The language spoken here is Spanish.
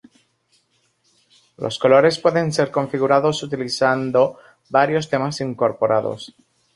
Los colores pueden ser configurados utilizando varios temas incorporados.